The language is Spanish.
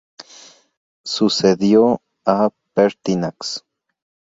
Sucedió a Pertinax.